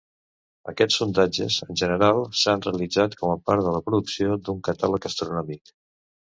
Aquests sondatges, en general, s'han realitzat com a part de la producció d'un catàleg astronòmic.